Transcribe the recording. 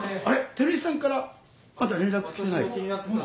照井さんからまだ連絡きてない？